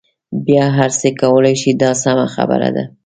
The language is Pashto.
بیا هر څه کولای شئ دا سمه خبره ده.